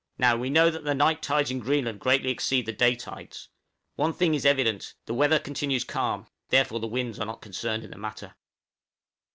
Now we know that the night tides in Greenland greatly exceed the day tides. One thing is evident the weather continues calm, therefore the winds are not concerned in the matter.